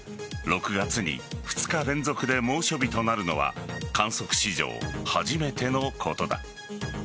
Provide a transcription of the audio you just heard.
６月に２日連続で猛暑日となるのは観測史上初めてのことだ。